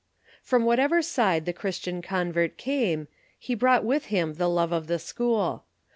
] From whatever side the Christian convert came, he brought with him the love of the school.